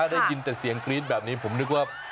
ได้ยินแต่เสียงกรี๊ดแบบนี้ผมนึกว่า